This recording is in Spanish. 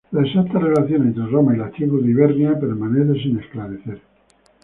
La exacta relación entre Roma y las tribus de "Hibernia" permanece sin esclarecer.